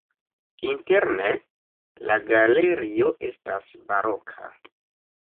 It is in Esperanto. Interne la galerio estas baroka.